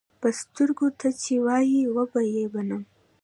پۀ سترګو، تۀ چې وایې وبۀ یې منم.